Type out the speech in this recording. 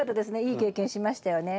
いい経験しましたよね。